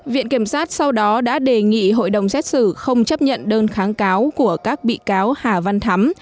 viện kiểm sát sau đó đã đề nghị hội đồng xét xử không chấp nhận đơn kháng cáo của các bị cáo hà văn thắm